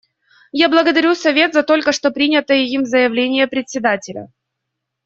Я благодарю Совет за только что принятое им заявление Председателя.